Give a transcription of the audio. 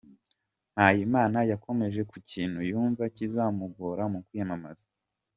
Mpayimana yakomoje ku kintu yumva kizamugora mu kwiyamamaza.